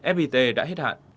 fpt đã hết hạn